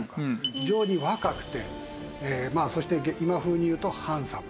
非常に若くてそして今風に言うとハンサム。